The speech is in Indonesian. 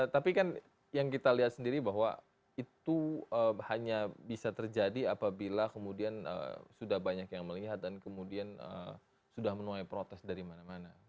tapi kan yang kita lihat sendiri bahwa itu hanya bisa terjadi apabila kemudian sudah banyak yang melihat dan kemudian sudah menuai protes dari mana mana